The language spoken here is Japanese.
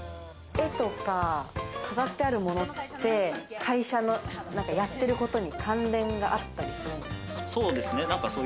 絵とか飾ってあるものって、会社がやっていることに関係があったりするんですか？